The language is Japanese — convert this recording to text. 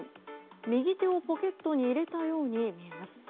右手をポケットに入れたように見えます。